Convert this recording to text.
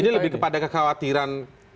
ini lebih kepada kekhawatiran